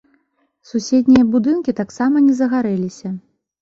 Суседнія будынкі таксама не загарэліся.